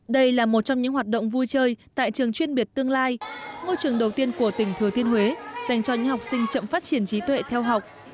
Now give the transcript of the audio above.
đây là một trong những hoạt động vui chơi tại trường chuyên biệt tương lai ngôi trường đầu tiên của tỉnh thừa thiên huế dành cho những học sinh chậm phát triển trí tuệ theo học